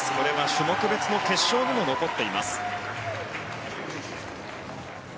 種目別の決勝にも残っています。